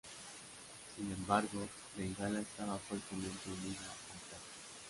Sin embargo, Bengala estaba fuertemente unida al taka.